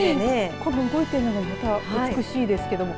動いているのがまた美しいですけども。